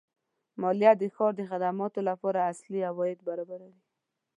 مالیه د ښار د خدماتو لپاره اصلي عواید برابروي.